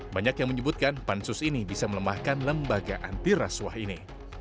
banyak yang menyebutkan pansus ini bisa melemahkan lembaga antirasuah ini